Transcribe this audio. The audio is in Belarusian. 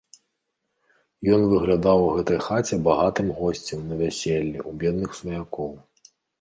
Ён выглядаў у гэтай хаце багатым госцем на вяселлі ў бедных сваякоў.